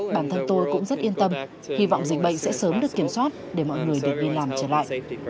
bản thân tôi cũng rất yên tâm hy vọng dịch bệnh sẽ sớm được kiểm soát để mọi người được đi làm trở lại